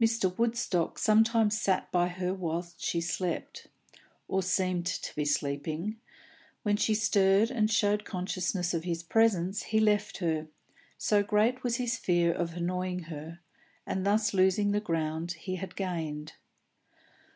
Mr. Woodstock sometimes sat by her whilst she slept, or seemed to be sleeping; when she stirred and showed consciousness of his presence, he left her, so great was his fear of annoying her, and thus losing the ground he had gained.